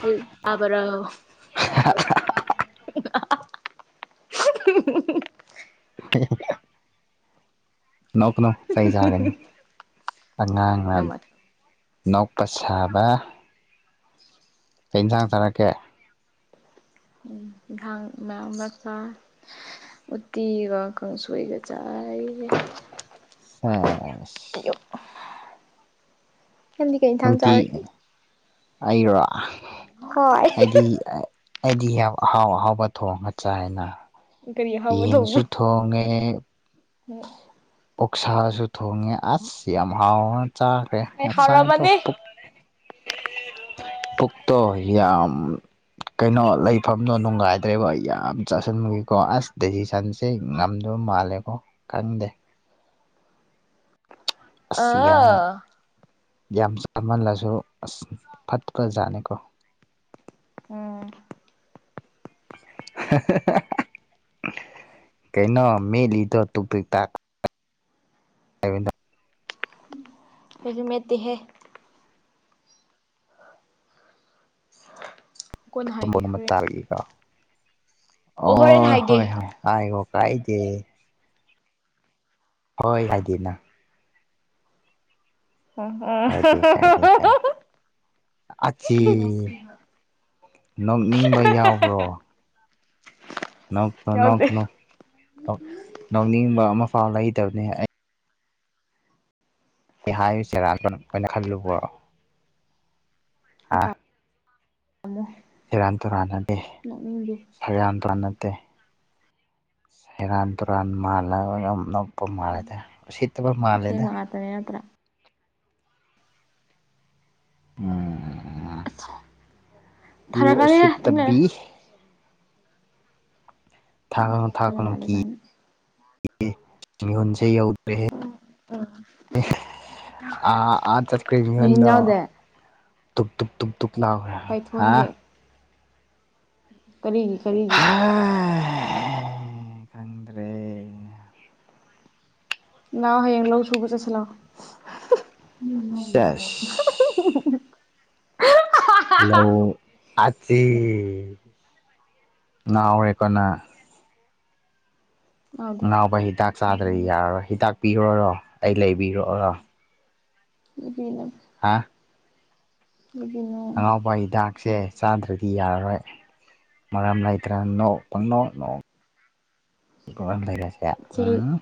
ꯍꯨꯏ ꯇꯥꯕꯔꯣ [inaudible] ꯅꯣꯛꯀꯅꯣ ꯆꯩ ꯆꯥꯒꯅꯤ ꯑꯉꯥꯡꯅ ꯅꯃꯠ ꯅꯣꯛꯄ ꯁꯥꯕ꯫ ꯀꯩ ꯏꯟꯁꯥꯡ ꯆꯥꯔꯛꯀꯦ ꯫ ꯎ ꯏꯟꯈꯥꯡ ꯃꯌꯥꯝꯂꯛ ꯆꯥꯔꯦ꯫ ꯎꯠꯇꯤ ꯒ ꯀꯥꯡꯁꯣꯏꯒ ꯆꯥꯏꯌꯦ [unintelligible] ꯑꯌꯨꯛ ꯅꯪꯗꯤ ꯀꯩ ꯏꯟꯊꯥꯡ ꯅꯨꯡꯇꯤ ꯆꯥꯔꯒꯦ ꯑꯩꯔꯣ ꯍꯋꯥꯏ ꯍꯥꯏꯗꯤ ꯑꯩꯗꯤ ꯌꯥꯝ ꯑꯍꯥꯎ ꯑꯍꯥꯎꯕ ꯊꯣꯡꯉ ꯆꯥꯏꯅ ꯀꯔꯤ ꯑꯍꯥꯎꯕ ꯌꯦꯟꯖꯨ ꯊꯣꯡꯉꯦ ꯎꯝ ꯑꯣꯛꯁꯥꯖꯨ ꯊꯣꯡꯉꯦ ꯑꯁ ꯌꯥꯝ ꯍꯥꯎꯅ ꯆꯥ ꯈ꯭ꯔꯦ ꯀꯩ ꯍꯥꯎꯔꯅꯤ ꯉꯆꯥꯥꯏꯗꯣ ꯄꯨꯛ ꯄꯨꯛꯇꯣ ꯌꯥꯝ ꯀꯩꯅꯣ ꯂꯩꯐꯝꯗꯣ ꯅꯨꯡꯉꯥꯏꯗ꯭ꯔꯦꯕ ꯌꯥꯝ ꯆꯥꯁꯤꯟꯕꯒꯤꯀꯣ ꯑꯁ ꯗꯦꯁꯤꯁꯟꯁ ꯇꯤ ꯉꯝꯗꯕ ꯃꯥꯜꯂꯦꯀꯣ ꯈꯪꯗꯦ ꯑꯁ ꯌꯥꯝ ꯑꯥ ꯌꯥꯝ ꯆꯥꯃꯜꯂꯁꯨ ꯑꯁ ꯐꯠꯄꯖꯥꯠꯅꯤꯀꯣ ꯎꯝ [unintelligible] ꯀꯩꯅꯣ ꯃꯦꯠꯂꯤꯗꯣ ꯇꯨꯛ ꯇꯨ ꯇꯥꯛ [unintelligible] ꯑꯩꯖꯨ ꯃꯦꯠꯇꯦꯍꯦ ꯀꯣꯟꯅ ꯇꯥꯃꯣꯟ ꯍꯥꯏꯒꯦ ꯑꯃ ꯍꯣꯔꯦꯟ ꯇꯥꯔꯛꯏꯗ ꯍꯣꯔꯦꯟ ꯑꯣ ꯍꯣꯏ ꯍꯥꯏꯒꯦ ꯍꯣꯏ ꯍꯥꯏꯌꯣ ꯀꯥꯏꯗꯦ ꯍꯣꯏ ꯍꯥꯏꯗꯤꯅ ꯀꯥꯏꯗꯦ ꯀꯥꯏꯗꯦ ꯀꯥꯏꯗꯦ [unintelligible] ꯑꯆꯤ ꯅꯣꯛꯅꯤꯡꯕ ꯌꯥꯎꯕ꯭ꯔꯣ ꯅꯣꯛꯅꯣ ꯌꯥꯎꯗꯦ ꯅꯣꯛꯀꯅꯣ ꯀꯣ ꯅꯣꯛꯅꯤꯡꯕ ꯑꯃꯐꯥꯎ ꯂꯩꯇꯕꯅꯦ ꯑꯩ ꯑꯩ ꯍꯥꯏꯔꯤ [unintelligible] ꯈꯣꯏꯅ ꯈꯜꯂꯨꯕ꯭ꯔꯣ ꯑꯥ ꯐꯝꯃꯨ ꯁꯦꯔꯥꯟ ꯇꯨꯔꯥꯟ ꯅꯗꯦ ꯁꯦꯔꯥꯟ ꯇꯨꯔꯥꯟ ꯅꯠꯇꯦ ꯁꯦꯔꯥꯟ ꯇꯨꯔꯥꯟ ꯃꯥꯜꯂꯒ ꯌꯥꯝꯅꯣꯛ ꯄ ꯃꯥꯜꯂꯦꯗ ꯎꯁꯤꯠꯇꯕ ꯃꯥꯜꯂꯦꯗ ꯇꯧꯔꯤ ꯅꯠꯇ꯭ꯔꯥ ꯑꯁ ꯌꯨ ꯊꯥꯔꯛꯀꯅꯤꯍꯦ ꯇꯨꯃꯤꯟ ꯎꯁꯤꯠꯇꯕꯤ ꯂꯩꯌꯨ ꯊꯥꯒꯠꯂꯣ ꯆꯠꯂ ꯊꯥꯒꯠꯂꯣ ꯃꯥꯜꯂꯦ ꯀꯤ ꯀꯥꯏꯅ [unintelligible] ꯃꯤꯍꯨꯟꯁꯦ ꯌꯧ [unintelligible] ꯑꯥ ꯑꯥꯗ [unintelligible] ꯃꯤꯍꯨꯟ ꯌꯥꯎꯗꯦ ꯇꯨꯛ ꯇꯨꯛ ꯇꯨꯛ ꯇꯨꯛ ꯂꯥꯎꯕ꯭ꯔꯥ ꯄꯥꯏꯊꯣꯟꯒꯤ ꯀꯔꯤꯒꯤ ꯀꯔꯤꯒꯤ ꯈꯪꯗ꯭ꯔꯦ ꯂꯥꯎ ꯍꯌꯦꯡ ꯂꯧ ꯁꯨꯕ ꯆꯠꯁꯤ ꯂꯥꯎ ꯁꯦꯁ ꯂꯧ ꯑꯁꯤ ꯉꯥꯎꯔꯦ ꯀꯣꯅ ꯂꯥꯛꯑꯣꯗꯤ ꯉꯥꯎꯕ ꯍꯤꯗꯥꯛ ꯆꯥꯗ꯭ꯔꯗꯤ ꯌꯥꯔꯔꯣꯏ ꯍꯤꯗꯥꯛ ꯄꯤꯔꯣꯔꯣ ꯑꯩ ꯂꯩꯕꯤꯔꯣꯑꯣꯔꯣ [unintelligible] ꯍꯥꯥ [unintelligible] ꯑꯉꯥꯎꯕ ꯍꯤꯗꯥꯛ ꯁꯦ ꯆꯥꯗ꯭ꯔꯗꯤ ꯌꯥꯔꯔꯣꯏ ꯃꯔꯝ ꯂꯩꯇ꯭ꯔ ꯅꯣꯛ ꯄꯪꯅꯣ ꯅꯣꯛ [unintelligible] ꯆꯦ ꯑꯩꯈꯣꯏ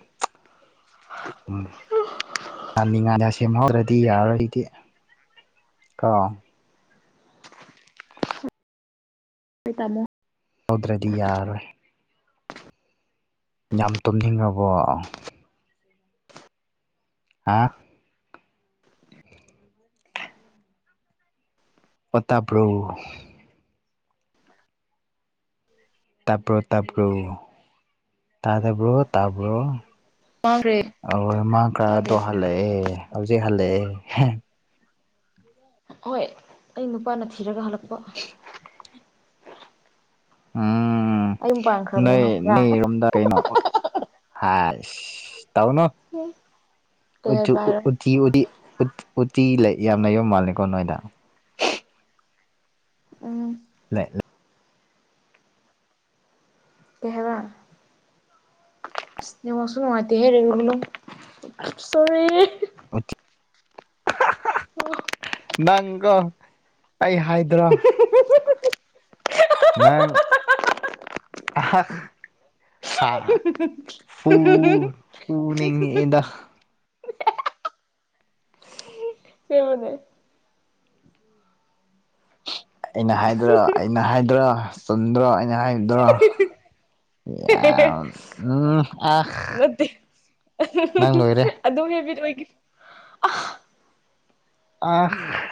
ꯉꯅꯤꯡꯉꯥꯏꯅꯤ ꯁꯦꯝꯍꯧꯔꯗꯤ ꯌꯥꯔꯣꯏꯗꯤ ꯀꯣ [unintelligible] ꯇꯧꯗ꯭ꯔꯗꯤ ꯌꯥꯔꯔꯣꯏ ꯌꯥꯝ ꯇꯨꯝꯅꯤꯡꯉꯕ ꯕꯣ ꯍꯥꯥ ꯍꯣ ꯇꯥꯕ꯭ꯔꯣ ꯇꯥꯕ꯭ꯔꯣ ꯇꯥꯕ꯭ꯔꯣ ꯇꯥꯗꯕ꯭ꯔꯣ ꯇꯥꯕ꯭ꯔꯣ ꯃꯥꯡꯈ꯭ꯔꯦ ꯑꯣ ꯃꯥꯥꯒ ꯇꯥꯗꯦ ꯑꯗꯣ ꯍꯜꯂꯛꯑꯦ ꯍꯧꯖꯤꯛ ꯍꯜꯂꯛꯑꯦ ꯍꯣꯏ ꯑꯩ ꯅꯨꯄꯥꯅ ꯊꯤꯔꯒ ꯍꯜꯂꯛꯄ [unintelligible] ꯎꯝ ꯑꯩ ꯌꯨꯝ ꯄꯥꯟꯈ꯭ꯔꯕꯅꯦ ꯅꯣꯏ ꯈꯪꯕ꯭ꯔꯥ ꯃꯤꯒꯤ ꯔꯣꯝꯗꯥ ꯀꯩꯅꯣ ꯇꯧꯅꯨ ꯀꯩ ꯎꯠꯁꯨ ꯍꯥꯏꯕ ꯎꯤ ꯍꯥꯏꯔꯣ ꯎꯇꯤ ꯎꯇꯤ ꯂꯩ ꯌꯥꯝ ꯂꯩꯕ ꯃꯥꯜꯂꯀꯣ ꯅꯣꯏꯗ ꯎꯝ ꯂꯩ ꯀꯩ ꯍꯥꯏꯕ ꯅꯦꯠꯋꯥꯀ ꯁꯨ ꯅꯨꯡꯉꯥꯏꯇꯦꯍꯦ ꯁꯣꯔꯤ ꯅꯪ ꯀꯣ ꯑꯩ ꯍꯥꯏꯗ꯭ꯔꯣ ꯅꯪ ꯍꯥꯥ ꯐꯨ ꯐꯨꯅꯤꯡꯉꯛꯑꯦꯗ ꯑꯁꯦꯡꯕꯅꯦ [inaudible] ꯑꯩꯅ ꯍꯥꯏꯗ꯭ꯔꯣ ꯑꯩꯅ ꯍꯥꯏꯗ꯭ꯔꯣ ꯆꯨꯟꯗ꯭ꯔꯣ ꯑꯩꯅ ꯍꯥꯏꯗ꯭ꯔꯣ ꯅꯪ ꯂꯣꯏꯔꯦ ꯑꯗꯨ ꯍꯦꯕꯤꯔꯛꯑꯣꯒꯤ ꯑꯥ [unintelligible]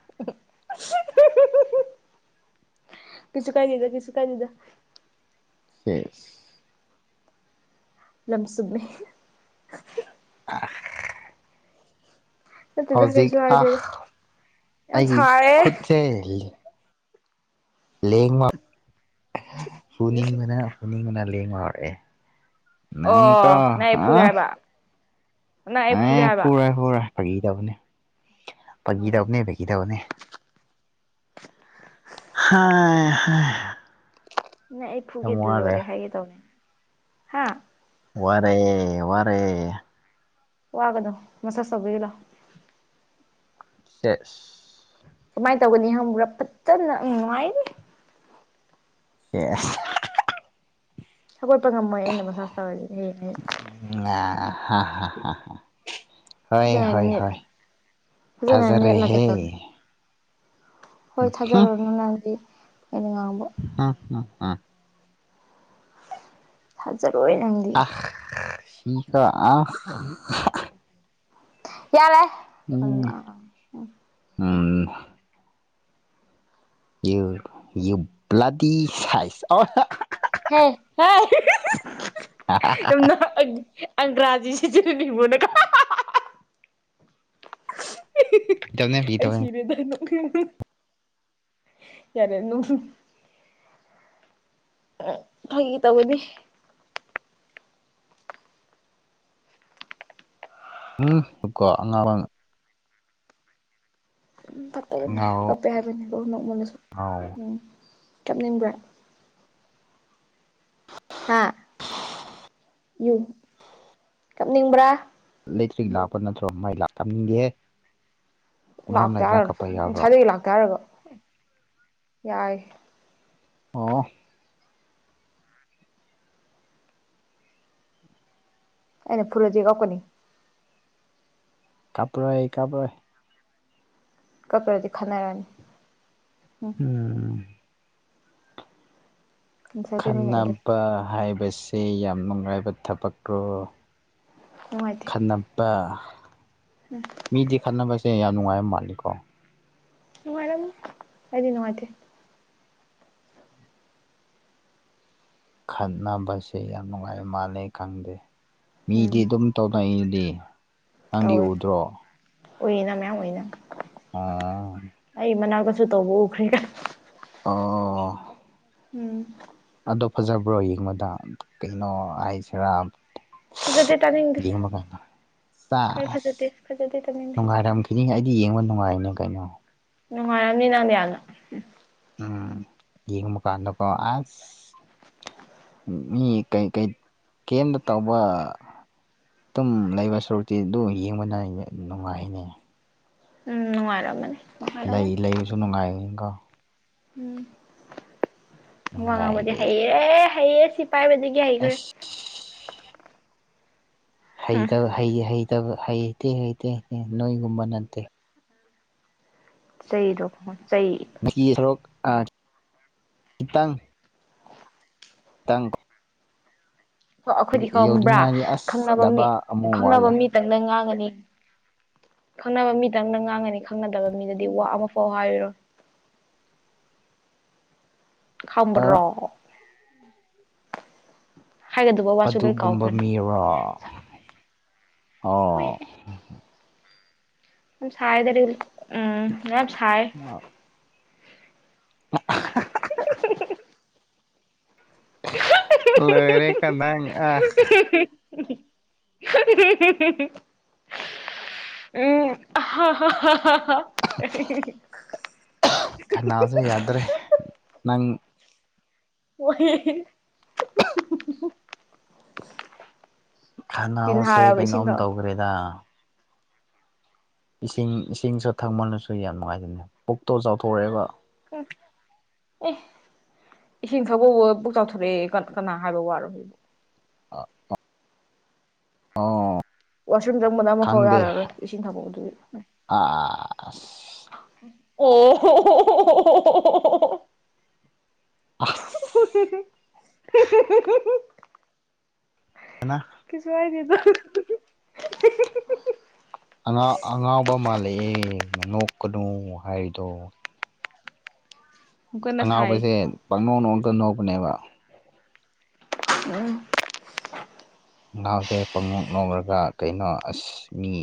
[unintelligible] [unintelligible] [unintelligible] ꯑꯥ ꯅꯠꯇꯦꯗ ꯍꯧꯖꯤꯛ ꯀꯩꯁꯨ ꯑꯥ ꯍꯥꯏꯗꯦꯗ ꯌꯥꯝ ꯑꯩꯒꯤ ꯁꯥꯔꯦ ꯈꯨꯠꯁꯦꯜꯂꯤ ꯂꯦꯡꯕ ꯐꯨꯅꯤꯡꯕꯅ ꯐꯨꯅꯤꯡꯕꯅ ꯂꯦꯡꯕ ꯍꯧꯔꯛꯑꯦ ꯅꯪꯀꯣ ꯑꯣ ꯅꯪ ꯑꯩ ꯐꯨꯒꯦ ꯑꯥ ꯍꯥꯏꯕ ꯅꯪ ꯑꯩ ꯑꯦ ꯐꯨꯒꯦ ꯍꯥꯏꯕ ꯐꯨꯔꯦ ꯐꯔꯣꯏ ꯐꯒꯤ ꯇꯕꯅꯦ ꯎꯝ ꯐꯒꯤ ꯇꯕꯅꯦ [unintelligible] ꯅꯪ ꯑꯩ ꯐꯨꯒꯦꯗ ꯂꯣꯏꯔꯦ ꯍꯥꯏꯒꯦ ꯇꯧꯅꯦ ꯍꯥ ꯋꯥꯔꯛꯑꯦ ꯋꯥꯔꯛꯑꯦ ꯋꯥꯒꯅꯨ ꯃꯥꯁꯥꯁ ꯇꯧꯕꯤꯒꯦ ꯂꯥꯎ ꯁꯦꯁ ꯀꯃꯥꯏꯅ ꯇꯧꯒꯅꯤ ꯍꯪꯕ꯭ꯔꯥ ꯐꯖꯅ ꯅꯨꯡꯉꯥꯏꯅꯤ [unintelligible] ꯍꯧꯒꯠꯄ ꯉꯝꯃꯣꯏ ꯑꯩꯅ ꯃꯁꯥ ꯇꯧꯔꯗꯤ ꯍꯌꯦꯡ ꯍꯌꯦꯡ [unintelligible] ꯍꯣꯏ ꯐꯖꯅ ꯍꯣꯏ ꯍꯣꯏ ꯅꯦꯠꯂꯒ ꯐꯖꯅ ꯅꯦꯠꯂꯒ ꯊꯖꯔꯦꯍꯦ ꯇꯧꯅꯤ ꯍꯣꯏ ꯊꯥꯖꯔꯨꯔꯣꯅꯨ ꯅꯪꯗꯤ ꯑꯩꯅ ꯉꯥꯡꯕ [unintelligible] ꯊꯖꯔꯣꯏ ꯅꯪ [unintelligible] ꯌꯥꯔꯦ ꯎꯝ ꯑꯥ ꯑꯥ ꯎꯝ ꯌꯨ ꯌꯨ ꯕ꯭ꯂꯥꯗꯤ ꯁꯥꯏꯖ [unintelligible] ꯍ‌ꯦ ꯍꯥꯏ ꯑꯪꯒ꯭ꯔꯥꯖꯤꯁꯤꯗꯤ [unintelligible] ꯇꯧꯅꯦ ꯐꯥꯒꯤ [unintelligible] ꯑꯩ ꯇꯧꯕꯅꯦ ꯐꯥꯒꯤ ꯁꯤꯔꯦꯗ ꯅ‌ꯣꯛꯅꯤꯡꯕꯅ ꯆꯠꯂꯅꯨ ꯑ ꯐꯥꯒꯤ ꯇꯧꯕꯅꯤ ꯎꯝ ꯑꯀꯣ ꯉꯔꯪ ꯐꯠꯇꯕꯅꯦ ꯉꯥꯎ ꯀꯞꯄꯦ ꯍꯥꯏꯕꯅꯦ ꯗꯨꯝ ꯅꯣꯛꯃꯜꯂꯁꯨ ꯉꯥꯎ ꯎꯝ ꯀꯞꯅꯤꯡꯕ꯭ꯔꯥ ꯍꯥ ꯌꯨ ꯀꯞꯅꯤꯡꯕ꯭ꯔꯥ ꯂꯩꯇ꯭ꯔꯤ ꯂꯥꯛꯄ ꯅꯠꯇ꯭ꯔꯣ ꯃꯥꯏ ꯂꯥꯛꯄ ꯇꯝꯅꯤꯡꯗꯦꯍꯦ ꯃꯔꯝ ꯂꯥꯛꯇ‌ꯦ ꯂꯩꯇꯅ ꯀꯞꯄ ꯍꯥꯏꯔꯒ ꯌꯥꯕ꯭ꯔꯣ ꯅꯁꯥꯏꯗꯒꯤ ꯂꯥꯛꯇ‌ꯦ ꯍꯥꯏꯔꯒ ꯌꯥꯔ‌ꯦ ꯑꯣ ꯑꯩꯅ ꯐꯨꯔꯗꯤ ꯀꯞꯀꯅꯤ ꯀꯥꯞꯄꯔꯣꯏ ꯀꯥꯞꯄꯔꯣꯏ ꯀꯞꯇ꯭ꯔꯗꯤ ꯈꯠꯅꯔꯅꯤ ꯎꯝ ꯉꯁꯥꯏ ꯇꯨꯃꯤꯟꯅ ꯈꯠꯅꯕ ꯍꯥꯏꯕꯁ‌ꯦ ꯌꯥꯝ ꯅꯨꯡꯉꯥꯏꯕ ꯊꯕꯛꯔ‌ꯣ ꯅꯨꯡꯉꯥꯏꯇ‌ꯦ ꯍꯟꯅꯞꯄꯥ ꯎꯝ ꯈꯠꯅꯕꯁꯦ ꯌꯥꯝ ꯅꯨꯡꯉꯥꯏꯕ ꯃꯥꯜꯂꯤꯀꯣ ꯅꯨꯡꯉꯥꯏꯔꯝꯅꯤ ꯑꯩ ꯗꯤ ꯅꯨꯡꯉꯥꯏꯇ‌ꯦ ꯈꯠꯅꯕꯁꯦ ꯌꯥꯝ ꯅꯨꯡꯉꯥꯏ ꯃꯥꯜꯂꯦ ꯈꯪꯗꯦ ꯎꯝ ꯃꯤꯗꯤ ꯑꯗꯨꯝ ꯇ‌ꯣꯛꯅ ꯏꯗꯤ ꯅꯪꯗꯤ ꯇꯧꯔꯦ ꯎꯗ꯭ꯔꯣ ꯎꯏꯅ ꯃꯌꯥꯝ ꯎꯏꯅ ꯑꯣ ꯑꯩ ꯃꯅꯥꯛꯇꯁꯨ ꯇꯧꯕ ꯎꯈ꯭ꯔ‌ꯦ ꯑꯣ ꯎꯝ ꯑꯗꯣ ꯐꯖꯕ꯭ꯔꯣ ꯌꯦꯡꯕꯗ ꯀꯩꯅꯣ ꯍꯥꯏꯁꯦꯔꯥ ꯐꯖꯗꯦ ꯇꯥꯅꯤꯡꯗꯦ ꯌꯦꯡꯕ [unintelligible] ꯈꯔ ꯐꯖꯗꯦ ꯐꯖꯗꯦ ꯇꯥꯅꯤꯡꯗꯦ ꯅꯨꯡꯉꯥꯏꯔꯝ ꯐꯤꯂꯤꯡ ꯑꯩꯗꯤ ꯌꯦꯡꯕ ꯅꯨꯡꯉꯥꯏꯅꯦ ꯀꯩꯅꯣ ꯅꯨꯡꯉꯥꯏꯔꯝꯅꯤ ꯅꯪꯗꯤ ꯌꯥꯝꯅ ꯎꯝ ꯌꯦꯡꯕꯀꯥꯟꯗꯀꯣ ꯑꯁ ꯃꯤ ꯀꯩ ꯀꯩ ꯀꯦꯝꯇ ꯇꯧꯕ ꯑꯗꯨꯝ ꯂꯩꯕ ꯁꯔꯨꯛꯇꯤ ꯑꯗꯨ ꯌꯦꯡꯕꯅ ꯅꯨꯡꯉꯥꯏꯅꯦ ꯎꯝ ꯅꯨꯡꯉꯥꯏꯔꯝ ꯃꯥꯅꯤ ꯂꯩ ꯂꯩꯕꯁꯨ ꯅꯨꯡꯉꯥꯏꯅꯤꯀꯣ ꯎꯝ ꯋꯥ ꯉꯥꯡꯕꯗꯤ ꯅꯨꯡꯉꯥꯏꯔꯦ ꯍꯩꯔꯦ ꯍꯩꯌꯦ ꯁꯤ ꯄꯥꯏꯕꯗꯒꯤ ꯍꯩꯈ꯭ꯔꯦ ꯑꯁ ꯍꯝ ꯍꯩꯇꯕ ꯍꯩ ꯍꯩꯇꯕ ꯍꯩꯗꯤ ꯍꯩꯇꯦ ꯍꯇ ꯅꯣꯏꯒꯨꯝꯕ ꯅꯠꯇꯦ ꯆꯩꯗꯣ [inaudible] ꯆꯩ [inaudible] [unintelligible] ꯑꯥ ꯈꯤꯇꯪ ꯇꯪ ꯍꯣ ꯑꯩꯈꯣꯏꯗꯤ ꯈꯪꯕ꯭ꯔꯥ ꯌꯧꯅꯤꯡꯉꯥꯏꯗꯤ ꯑꯁ ꯈꯪꯅꯕ ꯃꯤ ꯗꯕꯥ ꯑꯃꯨꯛ ꯈꯪꯅꯕ ꯋꯥꯠꯂꯦ ꯃꯤꯇꯪꯅ ꯉꯥꯡꯉꯥꯅꯤ ꯈꯪꯅꯕ ꯃꯤꯗꯪꯗꯥ ꯉꯥꯡꯉꯥꯅꯤ ꯈꯪꯅꯗꯕ ꯃꯤꯗꯗꯤ ꯋꯥ ꯑꯃꯐꯥꯎ ꯍꯥꯏꯔꯥꯔꯣ ꯈꯝꯕꯔꯣ ꯍꯥꯏꯒꯗꯕ ꯋꯥꯁꯨ ꯂꯣꯏ ꯑꯗꯨꯒꯨꯝꯕ ꯀꯥꯎꯈ꯭ꯔꯅꯤ ꯃꯤꯔꯣ ꯍꯣ ꯃꯣꯏ ꯁꯥꯏꯗꯔꯤ ꯎꯝ ꯌꯥꯝ ꯁꯥꯢ [unintelligible] ꯂꯣꯏꯔꯦ ꯀꯗꯥ ꯑ [unintelligible] ꯎꯝ ꯑꯍ ꯍꯥ [unintelligible] ꯈꯅꯥꯎꯁꯦ ꯌꯥꯗ꯭ꯔꯦ ꯅꯪ [unintelligible] ꯇꯤꯟ ꯈꯥꯅꯥꯎꯁꯦ ꯍꯥꯔꯕ ꯀꯩꯅꯣꯝ ꯏꯁꯤꯡꯗꯣ ꯇꯧꯈ꯭ꯔꯦꯗꯥ ꯏꯁꯤꯡ ꯏꯁꯤꯡꯁꯨ ꯊꯪꯃꯜꯂꯁꯨ ꯌꯥꯝ ꯅꯨꯡꯉꯥꯏ [unintelligible] ꯄꯨꯛꯇꯣ ꯆꯥꯎꯊꯣꯔꯛꯑꯦꯀꯣ [unintelligible] ꯑꯦ ꯏꯁꯤꯡ ꯊꯛꯕꯕꯨ ꯄꯨꯛ ꯆꯥꯎꯊꯣꯔꯛꯑꯦ ꯀꯅꯥ ꯍꯥꯏꯕ ꯋꯥꯔꯣ ꯑ ꯑꯣ ꯋꯥꯁꯔꯨꯝ ꯆꯪꯕꯅ ꯑꯃꯐꯥꯎ ꯌꯥꯔꯔꯣꯏ ꯏꯁꯤꯡ ꯊꯛꯕ ꯑꯗꯨꯒꯤ ꯑꯁ ꯑꯣ ꯍꯣꯍꯣꯍꯣꯍꯣꯍꯣꯍꯣꯍꯣꯍꯣꯍꯣ ꯑꯁ [unintelligible] ꯑꯥꯅ ꯀꯩꯁꯨꯍꯥꯏꯗꯦꯗ ꯑꯉꯥꯎ ꯑꯉꯥꯎꯕ ꯃꯥꯜꯂꯛꯑꯦ ꯅꯣꯛꯀꯅꯣ ꯍꯥꯏꯔꯤꯗꯣ ꯑꯃꯨꯛ ꯀꯟꯅ ꯁꯥꯏ ꯑꯉꯥꯎꯕꯁꯦ ꯄꯪꯅꯣꯅꯣꯛꯒ ꯅꯣꯛꯄꯅꯦꯕꯥ ꯎꯝ [unintelligible] ꯄꯪꯅꯣꯛ ꯅꯣꯛꯔꯒ ꯀꯩꯅꯣ ꯑꯁ ꯃꯤ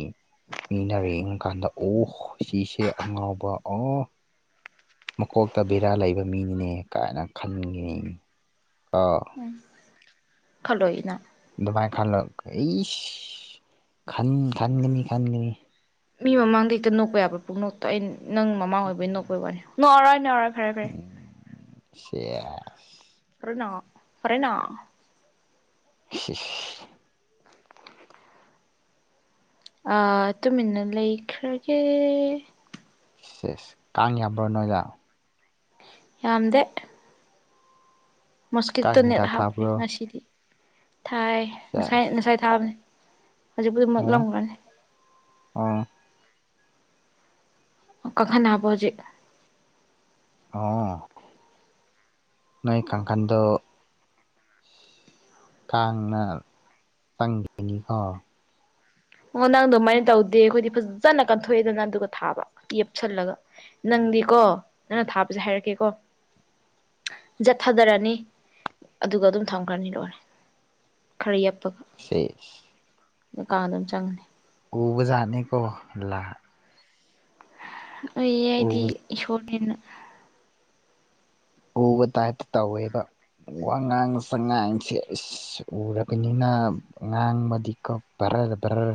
ꯃꯤꯅꯔꯦꯡ ꯀꯥꯟꯗ ꯑꯣ ꯁꯤꯁꯦ ꯑꯉꯥꯎꯕ ꯑꯣ ꯃꯀꯣꯛꯇ ꯕꯦꯔꯥ ꯂꯩꯕ ꯃꯤꯅꯤꯅꯦ ꯀꯥꯏꯅ ꯈꯟꯒꯤꯅꯤ ꯀꯣ ꯈꯜꯂꯣꯢꯌꯦꯅ ꯗꯨꯃꯥꯏ ꯈꯂꯒ ꯏꯁ ꯈꯥꯟ ꯈꯥꯟꯒꯃꯤ ꯈꯥꯟꯒꯃꯤ ꯃꯤ ꯃꯃꯥꯡꯗ ꯍꯦꯛꯇ ꯅꯣꯛꯄ ꯌꯥꯕ꯭ꯔꯥ ꯄꯨꯡꯅꯣꯛꯇ ꯑꯩ ꯅꯪ ꯃꯃꯥꯡ ꯑꯣꯏꯕꯩ ꯅꯣꯛꯄꯩ ꯋꯥꯅꯤ ꯅꯣꯛꯑꯥꯔꯣꯏ ꯅꯣꯛꯑꯥꯔꯣꯏ ꯐꯔꯦ ꯐꯔꯦ ꯎꯝ ꯁꯦꯁ ꯐ꯭ꯔꯦꯅ ꯐꯔꯦꯅ ꯏꯁ ꯏꯁ ꯑꯥ ꯇꯨꯃꯤꯟꯅ ꯂꯩꯈ꯭ꯔꯒꯦ ꯁꯦꯁ ꯀꯥꯡ ꯌꯥꯝꯕ꯭ꯔꯣ ꯅꯣꯏꯗꯥ ꯌꯥꯝꯗꯦ ꯃꯣꯁꯀꯤꯇꯣ ꯀꯥꯡ ꯅꯦꯠ ꯍꯤꯗꯥꯛ ꯍꯥꯞꯈ꯭ꯔꯦ ꯊꯥꯕ꯭ꯔꯣ ꯉꯁꯤꯗꯤ ꯊꯥꯏ ꯁꯦꯁ ꯉꯁꯥꯏ ꯉꯁꯥꯏ ꯊꯥꯕꯅꯦ ꯍꯧꯖꯤꯛꯄꯨꯗꯤ ꯑꯣ ꯃꯨꯠꯂꯝꯒꯅꯤ ꯑꯣ ꯀꯪꯈꯟꯅꯕ ꯍꯧꯖꯤꯛ ꯑꯣ ꯅꯣꯏ ꯀꯥꯡꯈꯟꯗ‌ꯣ ꯀꯥꯡꯅ ꯆꯪꯈꯤꯅꯤꯀꯣ ꯑꯣ ꯅꯪ ꯑꯗꯨꯃꯥꯏꯅ ꯇꯧꯗꯦ ꯑꯩꯈꯣꯏꯗꯤ ꯐꯖꯅ ꯀꯟꯊꯣꯛꯑꯦꯗꯅ ꯑꯗꯨꯒ ꯊꯥꯕ ꯌ‌ꯦꯞꯁꯤꯜꯂꯒ ꯅꯪꯗꯤꯀꯣ ꯅꯪꯅ ꯊꯥꯕꯁꯦ ꯍꯥꯏꯔꯛꯀꯦꯀꯣ ꯖꯠ ꯊꯥꯗꯔꯅꯤ ꯑꯗꯨꯒ ꯑꯗꯨꯝ ꯊꯝꯈ꯭ꯔꯅꯤ ꯂꯣꯏꯔꯦ ꯈꯔ ꯌ‌ꯦꯞꯄꯒ ꯁꯦꯁ ꯀꯥꯡ ꯑꯗꯨꯝ ꯆꯪꯉꯅꯤ ꯎꯕ ꯖꯥꯠꯅꯤꯀꯣ ꯂꯥ ꯎꯏꯌꯦ ꯑꯩꯗꯤ ꯎꯕ ꯏꯁꯣꯔꯅꯤꯅ ꯎꯕ ꯇꯥꯏ꯭ꯞꯇ ꯇꯧꯋꯦꯕ ꯋꯥꯉꯥꯡ ꯁꯉꯥꯡꯁꯦ ꯑꯁ ꯎꯔꯕꯅꯤꯅ ꯉꯥꯡꯕꯗꯤ ꯀꯣ ꯗ꯭ꯔꯔ ꯗ꯭ꯔ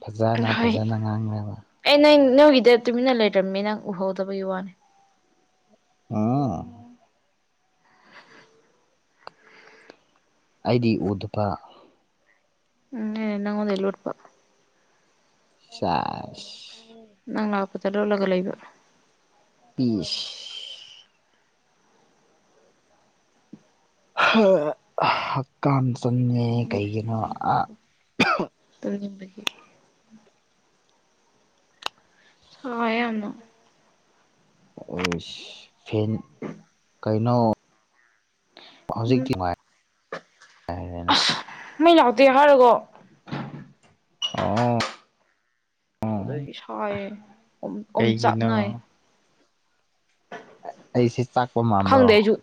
ꯐꯖꯅ ꯍꯣꯏ ꯐꯖꯅ ꯉꯥꯡꯉ‌ꯦꯕ ꯑꯩ ꯅꯪ ꯅꯪꯒꯤꯗ ꯇꯨꯃꯤꯟꯅ ꯂꯩꯔꯝꯃꯤ ꯅꯪ ꯎꯍꯧꯗꯕꯩ ꯋꯥꯅꯤ ꯎꯪ ꯑꯩꯗꯤ ꯎꯗꯕ ꯎꯝꯅꯦ ꯅꯉꯣꯟꯗꯩ ꯂꯣꯠꯄ ꯁ‌ꯦꯁ ꯅꯪ ꯂꯥꯛꯄꯗ ꯂꯣꯠꯂꯒ ꯂꯩꯕ ꯄꯤꯁ ꯍꯥ ꯍꯛꯀꯥꯝ ꯆꯟꯉꯦ ꯀꯩꯒꯤꯅꯣ ꯑ ꯇꯨꯝꯅꯤꯡꯕꯒꯤ ꯁꯥꯏꯌꯦ ꯌꯥꯝꯅ ꯑꯣꯏꯁ ꯐꯦꯟ ꯀꯩꯅꯣ ꯎꯝ ꯍꯧꯖꯤꯛꯇꯤ ꯉꯥꯏ ꯉꯥꯏꯔꯦꯅ ꯃꯩ ꯂꯥꯛꯇꯦ ꯍꯥꯏꯔꯒ ꯑꯣ ꯑꯗꯨꯒꯤ ꯁꯥꯏꯌꯦ ꯑꯣꯝ ꯀꯩꯒꯤꯅꯣ ꯑꯣꯝꯆꯥꯛꯅꯩꯌ‌ꯦ ꯑꯩꯁꯦ ꯆꯥꯛꯄ ꯃꯥꯟꯕ꯭ꯔ‌ꯣ ꯈꯪꯗꯦ ꯑꯩꯁꯨ